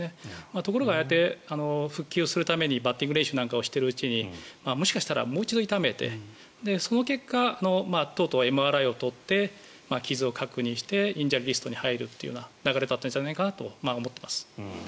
ところが、復帰をするためにバッティング練習なんかをしているうちにもしかしたらもう一度痛めてその結果とうとうＭＲＩを取って傷を確認してリストに入るという流れじゃなかったのかと思います。